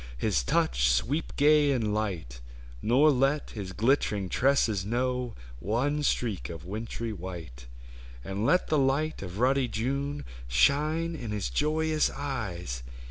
His touch sweep gay and light; Nor let his glittering tresses know One streak of wintry white. And let the light of ruddy June Shine in his joyous eyes.